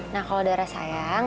nah kalau dara sayang